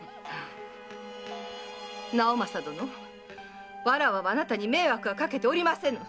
直正殿わらわはあなたに迷惑はかけておりませぬ！